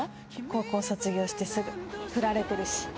高校卒業してすぐ振られてるし」